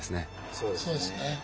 そうですね。